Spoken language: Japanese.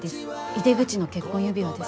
井手口の結婚指輪です。